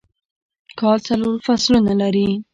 کال څلور فصلونه لري